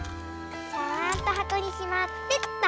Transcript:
ちゃんとはこにしまってと。